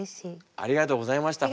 ありがとうございました本日は。